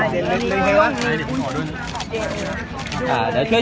ขอช่วยคุณพี่อีกท่านหนึ่งครับ